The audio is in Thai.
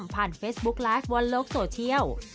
เฟซบุ๊กไลฟ์วันโลกโซเชียล